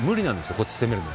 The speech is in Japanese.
こっちに攻めるの。